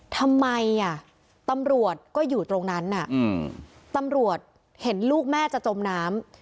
ทำไมอ่ะตำรวจก็อยู่ตรงนั้นตำรวจเห็นลูกแม่จะจมน้ำ